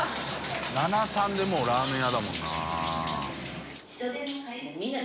：３でもうラーメン屋だもんな。